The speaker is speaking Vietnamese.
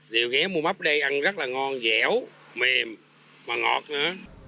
đều ghé mua bắp ở đây ăn rất là ngon dẻo mềm và ngọt nữa